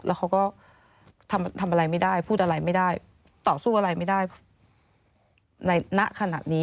แล้วเขาก็ทำอะไรไม่ได้พูดอะไรไม่ได้ต่อสู้อะไรไม่ได้ในณขนาดนี้